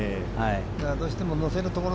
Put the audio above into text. どうしても乗せるところ